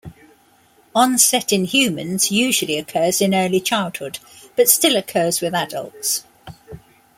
Onset in humans usually occurs in early childhood, but still occurs with adults.